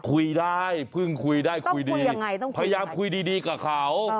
คุยได้เพิ่งคุยได้คุยดียังไงพยายามคุยดีกับเขา